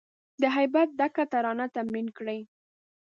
د هیبت ډکه ترانه تمرین کړی